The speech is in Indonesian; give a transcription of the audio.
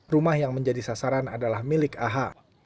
rumah yang menjadi sasaran adalah milik aha